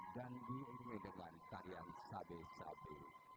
dan diurni dengan tarian sabe sabe